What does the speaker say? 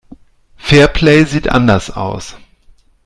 Fairplay sieht anders aus.